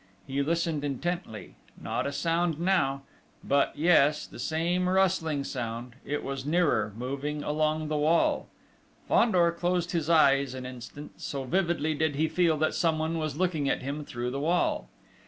He listened intently ... not a sound now.... But, yes ... the same rustling sound ... it was nearer moving along the wall. Fandor closed his eyes an instant, so vividly did he feel that someone was looking at him through the wall!